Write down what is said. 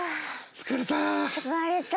疲れた。